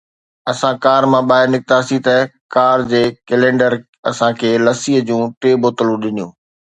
اسان ڪار مان ٻاهر نڪتاسين ته ڪار جي ڪئلينڊر اسان کي لسي جون ٽي بوتلون ڏنيون.